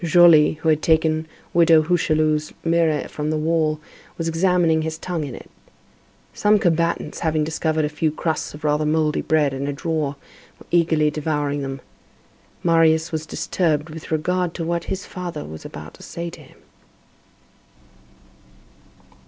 Joly, who had taken Widow Hucheloup's mirror from the wall, was examining his tongue in it. Some combatants, having discovered a few crusts of rather mouldy bread, in a drawer, were eagerly devouring them. Marius was disturbed with regard to what his father was about to say to him.